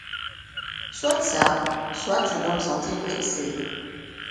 Soit ça, soit je dois me sentir vexée.